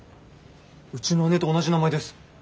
うちの姉と同じ名前です。